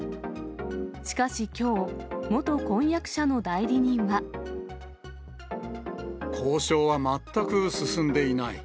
しかしきょう、元婚約者の代理人交渉は全く進んでいない。